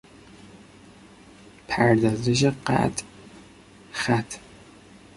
پردازش قطع - خط